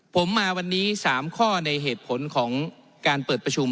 ผมมาวันนี้๓ข้อในเหตุผลของการเปิดประชุม